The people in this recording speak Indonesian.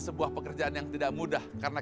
sebuah pekerjaan yang tidak mudah karena